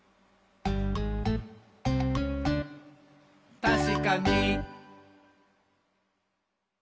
「たしかに！」